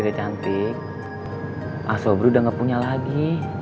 udah cantik asobru udah gak punya lagi